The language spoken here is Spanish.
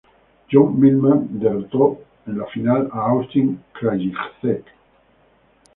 John Millman derrotó en la final a Austin Krajicek.